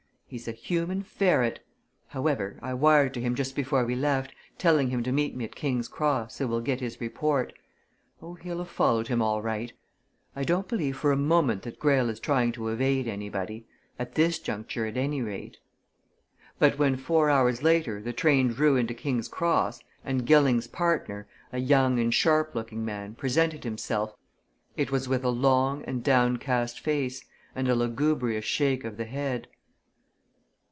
"He's a human ferret! However, I wired to him just before we left, telling him to meet me at King's Cross, so we'll get his report. Oh, he'll have followed him all right I don't imagine for a moment that Greyle is trying to evade anybody, at this juncture, at any rate." But when four hours later the train drew into King's Cross and Gilling's partner, a young and sharp looking man, presented himself, it was with a long and downcast face and a lugubrious shake of the head.